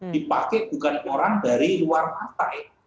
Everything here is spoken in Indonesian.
dipakai bukan orang dari luar partai